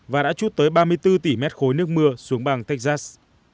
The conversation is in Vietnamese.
và đã chút tới ba mươi bốn tỷ mét khối nước mưa xuống bằng texas